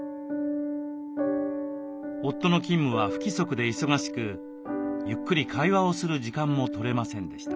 夫の勤務は不規則で忙しくゆっくり会話をする時間も取れませんでした。